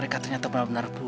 kita masih hidup